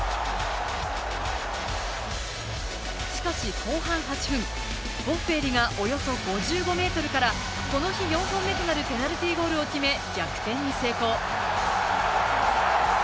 しかし後半８分、ボッフェーリがおよそ５５ｍからこの日４本目となるペナルティーゴールを決め逆転に成功。